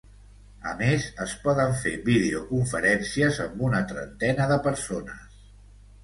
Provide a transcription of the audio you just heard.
A més, es poden fer videoconferències amb una trentena de persones.